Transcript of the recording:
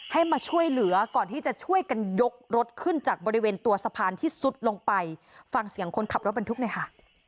ให้มาช่วยเหลือก่อนที่จะช่วยกันยกรถขึ้นจากบริเวณตัวสะพานที่สุดลงไปฟังเสียงคนขับรถบรรทุกหน่อยค่ะ